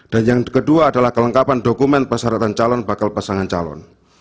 dan yang kedua adalah kelengkapan dokumen persyaratan calon bakal pasangan calon